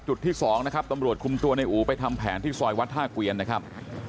จุดที่๒นะครับตำรวจคุมตัวในอู๋ไปทำแผนที่ซอยวัดท่าเกวียนนะครับ